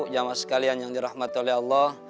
jamaah sekalian yang dirahmati oleh allah